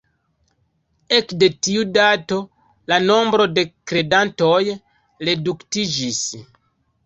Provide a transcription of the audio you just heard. Ekde tiu dato la nombro de kredantoj reduktiĝis.